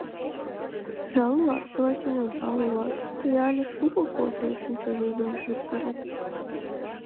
— Жал улат, Буратино, жал улат, тый але шуко кочо шинчавӱдым йоктарет.